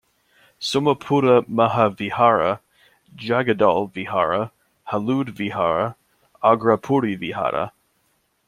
Somapura Mahavihara, Jagaddal Vihara, Halud Vihara, Agrapuri Vihara.